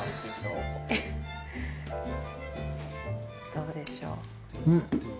どうでしょう？